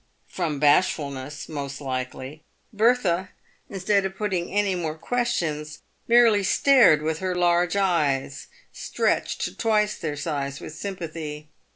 From bashfulness, most likely, Bertha, instead of putting any more questions, merely stared with her large eyes stretched to twice their size with sympathy.